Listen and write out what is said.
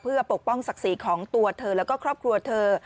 เพื่อปกป้องศักดิ์ศรีของตัวเธอแล้วก็ครอบครัวเธอ